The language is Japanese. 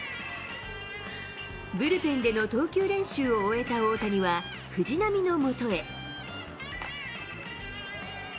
ブルペンでの投球練習を終えた大谷は、藤浪のもとへ。